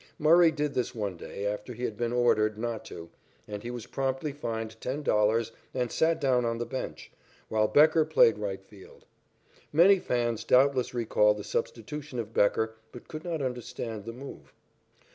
Murray did this one day, after he had been ordered not to, and he was promptly fined $10 and sat down on the bench, while Becker played right field. Many fans doubtless recall the substitution of Becker, but could not understand the move.